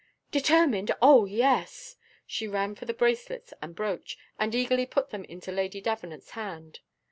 "Determined! oh yes." She ran for the bracelets and brooch, and eagerly put them into Lady Davenant's hand.